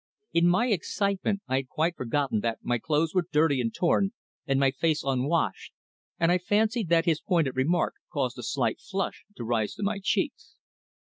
In my excitement I had quite forgotten that my clothes were dirty and torn, and my face unwashed, and I fancied that his pointed remark caused a slight flush to rise to my cheeks.